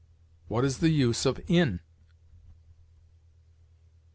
What is the use of in?